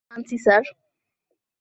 আনছি, স্যার।